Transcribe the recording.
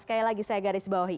sekali lagi saya garis bawahi